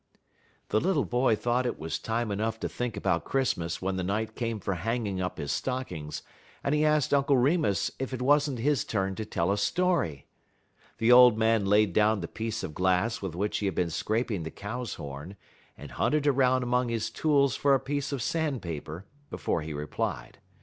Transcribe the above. The little boy thought it was time enough to think about Christmas when the night came for hanging up his stockings, and he asked Uncle Remus if it was n't his turn to tell a story. The old man laid down the piece of glass with which he had been scraping the cow's horn, and hunted around among his tools for a piece of sandpaper before he replied.